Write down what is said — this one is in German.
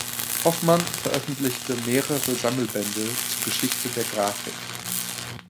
Hofmann veröffentlichte mehrere Sammelbände zur Geschichte der Grafik.